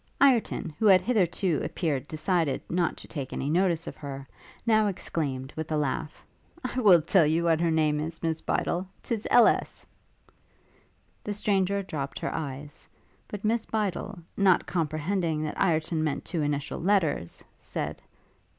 Ireton, who had hitherto appeared decided not to take any notice of her, now exclaimed, with a laugh, 'I will tell you what her name is, Miss Bydel; 'tis L.S.' The stranger dropt her eyes, but Miss Bydel, not comprehending that Ireton meant two initial letters, said.